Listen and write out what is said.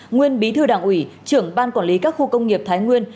nguyên bí thư đảng ủy trưởng ban quản lý các khu công nghiệp thái nguyên